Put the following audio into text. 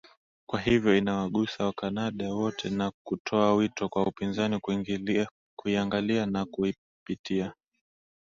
kwa hivyo inawagusa wacanada wote na kutoa wito kwa upinzani kuiangalia na kuipitia